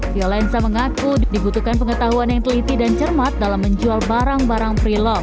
violenza mengaku dibutuhkan pengetahuan yang teliti dan cermat dalam menjual barang barang